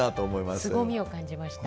すごみを感じました。